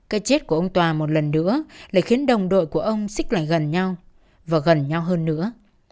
cái chết của ông tòa một lần nữa lại khiến đồng đội của ông xích lại gần nhau và gần nhau hơn nữa